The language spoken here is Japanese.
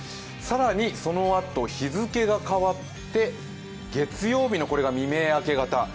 更にそのあと、日付が変わって月曜日の未明、明け方。